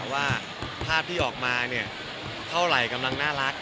ว่าภาพที่ออกมาเนี่ยเท่าไหร่กำลังน่ารัก